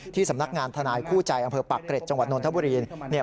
สำนักงานทนายคู่ใจอำเภอปากเกร็จจังหวัดนทบุรี